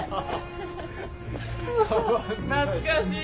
懐かしい！